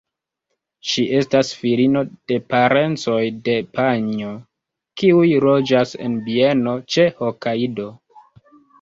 Ŝi estas filino de parencoj de Panjo, kiuj loĝas en bieno ĉe Hokajdo.